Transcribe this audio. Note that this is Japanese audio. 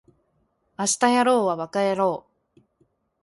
明日やろうはバカやろう